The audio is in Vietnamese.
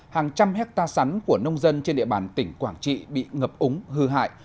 hàng trăm hectare sắn của nông dân trên địa bàn tỉnh quảng trị bị ngập úng hư hại